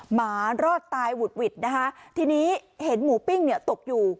หมารอดตายหวุดหวิดนะคะทีนี้เห็นหมูปิ้งเนี่ยตกอยู่